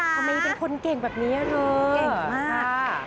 ทำไมเป็นคนเก่งแบบนี้เธอเก่งมาก